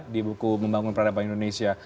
di buku membangun peradaban indonesia